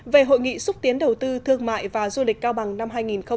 về hội nghị xúc tiến đầu tư thương mại và du lịch cao bằng năm hai nghìn hai mươi